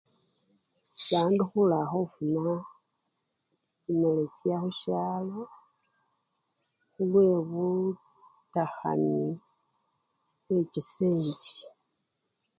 Bandu khula khufuna kimileka khusyalo khulwebutakhanyi bwechisendi.